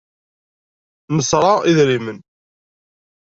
Nesra idrimen.